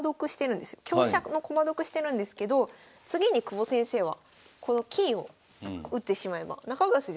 香車の駒得してるんですけど次に久保先生はこの金を打ってしまえば中川先生